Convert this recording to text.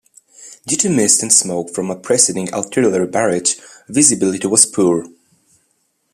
Due to mist and smoke from a preceding artillery barrage, visibility was poor.